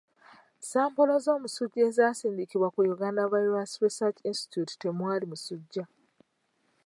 Sampolo z'omusujja ezasindikibwa ku Uganda Virus Research institute temwali musujja.